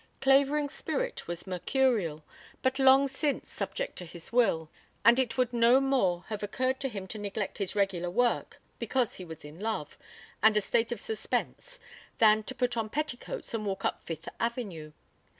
Clavering's spirit was mercurial, but long since subject to his will, and it would no more have occurred to him to neglect his regular work because he was in love and a state of suspense than to put on petticoats and walk up Fifth Avenue.